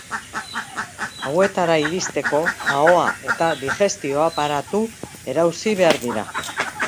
Hauetara iristeko ahoa eta digestio aparatu erauzi behar dira.